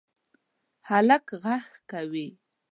هلک غږ کوی